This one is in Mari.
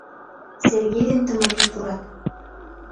Сергей ден Тымапи пурат.